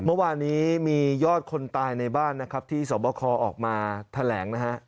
เมื่อวานนี้มียอดคนตายในบ้านนะครับที่สวบคอออกมาแถลงนะฮะ